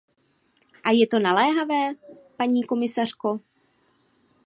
A je to naléhavé, paní komisařko.